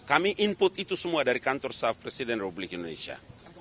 kami input itu semua dari kantor staf presiden republik indonesia